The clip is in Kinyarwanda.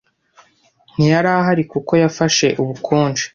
Ntiyari ahari kuko yafashe ubukonje.